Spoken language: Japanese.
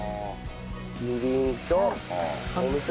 みりんとお味噌。